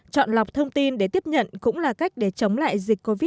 chọn lọc thông tin để tiếp nhận cũng là cách để chống lại dịch covid một mươi chín